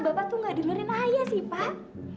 bapak tuh nggak dengerin ayah sih pak